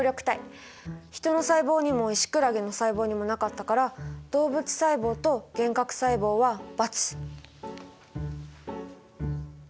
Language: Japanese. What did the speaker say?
ヒトの細胞にもイシクラゲの細胞にもなかったから動物細胞と原核細胞はバツ。